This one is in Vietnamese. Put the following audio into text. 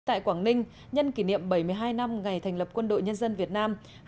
tại quảng ninh nhân kỷ niệm bảy mươi hai năm ngày thành lập quân đội nhân dân việt nam